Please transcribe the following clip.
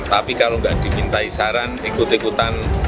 tapi kalau nggak dimintai saran ikut ikutan